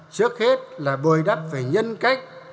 trước hết là bồi đắp về nhân cách